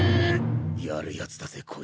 やるやつだぜこいつら。